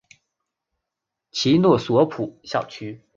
其诺索普校区。